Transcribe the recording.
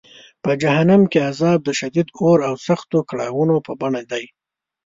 په جهنم کې عذاب د شدید اور او سختو کړاوونو په بڼه دی.